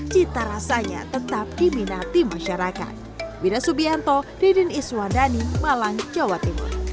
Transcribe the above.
cita rasanya tetap diminati masyarakat